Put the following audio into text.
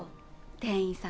店員さん。